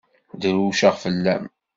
Drewceɣ fell-am.